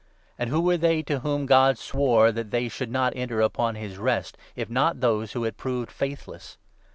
And who were they to whom God swore that they should not enter upon his rest, if not those who had proved faithless